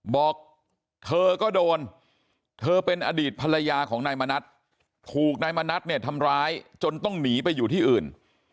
บอกเธอก็โดนเธอเป็นอดีตภรรยาของนายมณัฐถูกนายมณัฐเนี่ยทำร้ายจนต้องหนีไปอยู่ที่อื่น